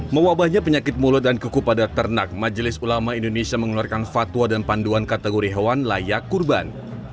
mewabahnya penyakit mulut dan kuku pada ternak majelis ulama indonesia mengeluarkan fatwa dan panduan kategori hewan layak kurban